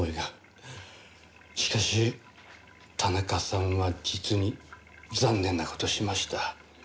しかし田中さんは実に残念な事しました。